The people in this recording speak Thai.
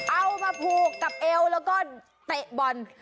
เอามาผูกกับเอวแล้วก็เตะบอล